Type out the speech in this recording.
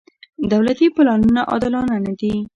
دولتي پلانونه عادلانه نه دي.